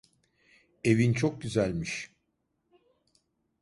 Evin çok güzelmiş.